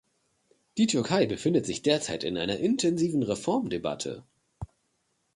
Die Türkei befindet sich derzeit in einer intensiven Reformdebatte.